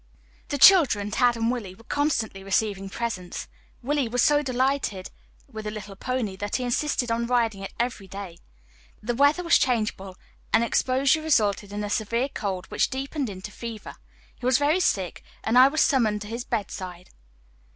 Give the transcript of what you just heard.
The children, Tad and Willie, were constantly receiving presents. Willie was so delighted with a little pony, that he insisted on riding it every day. The weather was changeable, and exposure resulted in a severe cold, which deepened into fever. He was very sick, and I was summoned to his bedside.